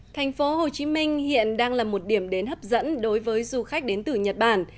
thành phố hồ chí minh hiện đang là một điểm đến hấp dẫn đối với du khách đến từ nhật bản